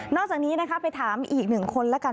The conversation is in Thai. นอกจากนี้ไปถามอีกหนึ่งคนล่ะกัน